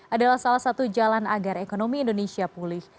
adalah salah satu jalan agar ekonomi indonesia pulih